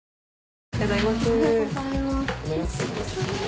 ・おはようございます。